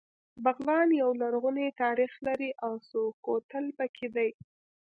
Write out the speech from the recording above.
بغلان يو لرغونی تاریخ لري او سور کوتل پکې دی